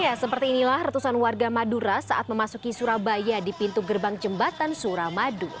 ya seperti inilah ratusan warga madura saat memasuki surabaya di pintu gerbang jembatan suramadu